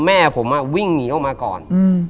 แม่ผมวิ่งหนีออกมาก่อน